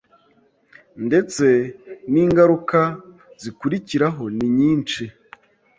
ndetse n'ingaruka zikurikiraho ni nyinshi